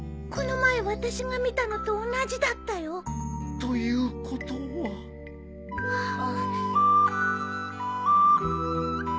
この前私が見たのと同じだったよ。ということは。